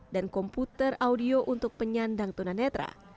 dan komputer audio untuk penyandang tunanetra